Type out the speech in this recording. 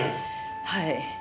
はい。